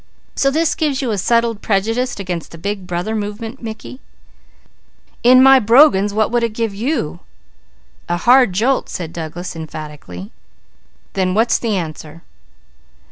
So this gives you a settled prejudice against the Big Brother movement, Mickey?" "In my brogans, what would it give you?" "A hard jolt!" said Douglas emphatically. "Then what's the answer?"